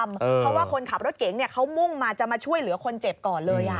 เพราะว่าคนขับรถเก๋งเขามุ่งมาจะมาช่วยเหลือคนเจ็บก่อนเลย